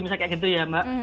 misalnya kayak gitu ya mbak